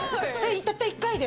たった一回で？